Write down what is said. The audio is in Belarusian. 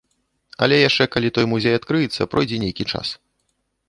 Але яшчэ калі той музей адкрыецца, пройдзе нейкі час.